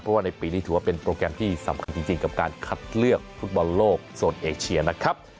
เพราะว่าในปีนี้ถือว่าเป็นโปรแกรมที่สำคัญจริงกับการคัดเลือกฟุตบอลโลกโซนเอเชียนะครับ